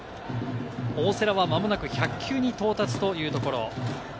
大瀬良はまもなく１００球に到達というところ。